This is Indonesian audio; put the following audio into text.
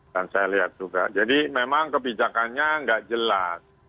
dan saya lihat juga jadi memang kebijakannya nggak jelas